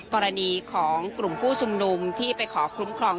กรณีของกลุ่มผู้ชุมนุมที่ไปขอคุ้มครอง